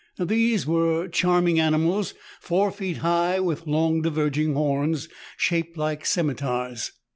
These were charm ing animals, four feet high, with long diverging horns shaped like scimitars.